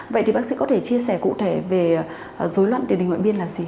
vậy thì bác sĩ có thể chia sẻ cụ thể về dối loạn tiền đình huệ biên là gì